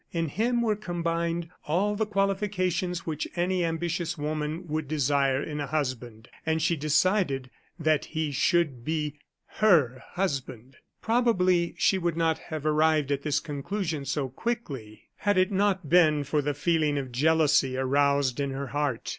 In him were combined all the qualifications which any ambitious woman would desire in a husband and she decided that he should be her husband. Probably she would not have arrived at this conclusion so quickly, had it not been for the feeling of jealousy aroused in her heart.